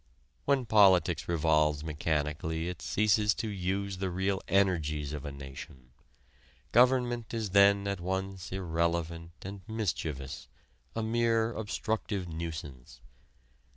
When politics revolves mechanically it ceases to use the real energies of a nation. Government is then at once irrelevant and mischievous a mere obstructive nuisance.